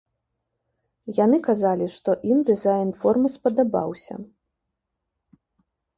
Яны казалі, што ім дызайн формы спадабаўся.